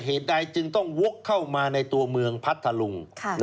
เหตุใดจึงต้องวกเข้ามาในตัวเมืองพัทธลุง